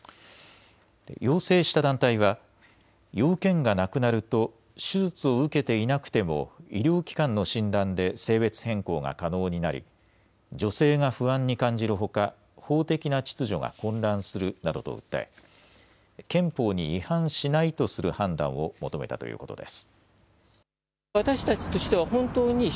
要請した団体は要件がなくなると手術を受けていなくても医療機関の診断で性別変更が可能になり女性が不安に感じるほか法的な秩序が混乱するなどと訴え憲法に違反しないとする判断を求めたということです。